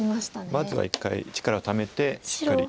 まずは一回力をためてしっかり。